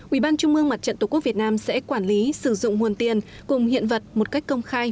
ủy ban trung mương mặt trận tổ quốc việt nam sẽ quản lý sử dụng nguồn tiền cùng hiện vật một cách công khai